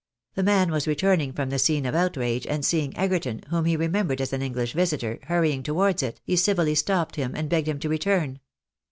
The man was returning from the scene of outrage, and seeing Egerton, whom he remem bered as an English visitor, hurrying towards it, he civiUy stopped him and begged him to return.